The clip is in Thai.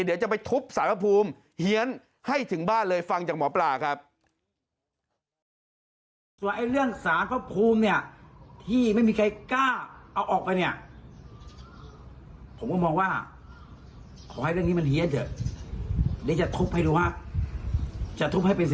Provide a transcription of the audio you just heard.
เดี๋ยวจะไปทุบสารพระภูมิเฮียนให้ถึงบ้านเลยฟังจากหมอปลาครับ